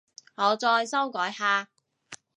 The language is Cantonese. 我再修改下